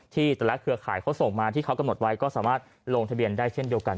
ที่แต่ละเครือข่ายเขาส่งมาที่เขากำหนดไว้ก็สามารถลงทะเบียนได้เช่นเดียวกัน